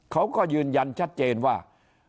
เขาก็ยืนยันชัดเจนว่า